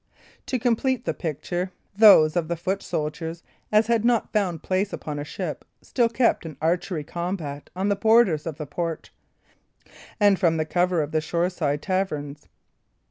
To complete the picture, those of the foot soldiers as had not found place upon a ship still kept up an archery combat on the borders of the port, and from the cover of the shoreside taverns.